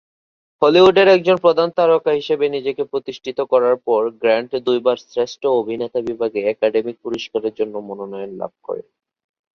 হলিউডের একজন প্রধান তারকা হিসেবে নিজেকে প্রতিষ্ঠিত করার পর গ্র্যান্ট দুইবার শ্রেষ্ঠ অভিনেতা বিভাগে একাডেমি পুরস্কারের জন্য মনোনয়ন লাভ করেন।